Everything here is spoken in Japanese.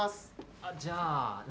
あっじゃあ生？